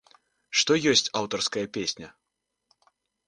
Што ёсць аўтарская песня?